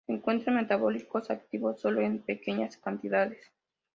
Se encuentran metabolitos activos sólo en pequeñas cantidades.